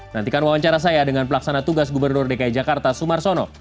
nantikan wawancara saya dengan pelaksana tugas gubernur dki jakarta sumarsono